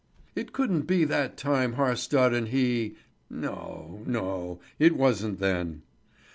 It couldn't be that time Haarstad and he no, no, it wasn't then.